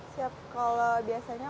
siap kalau biasanya